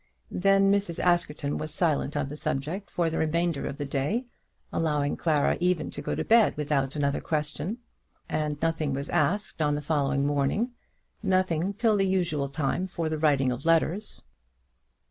Then Mrs. Askerton was silent on the subject for the remainder of the day, allowing Clara even to go to bed without another question. And nothing was asked on the following morning, nothing till the usual time for the writing of letters.